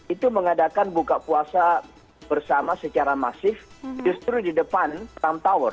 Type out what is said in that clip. itu mengadakan buka puasa bersama secara masif justru di depan trump tower